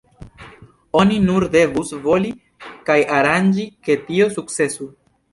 Oni nur devus voli kaj aranĝi, ke tio sukcesu.